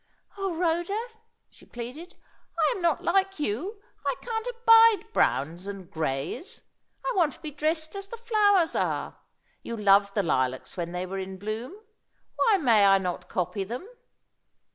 "O Rhoda," she pleaded, "I am not like you; I can't abide browns and greys! I want to be dressed as the flowers are! You loved the lilacs when they were in bloom; why may I not copy them?"